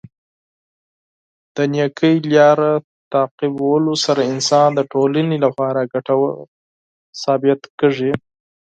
د نېکۍ لاره تعقیبولو سره انسان د ټولنې لپاره ګټور ثابت کیږي.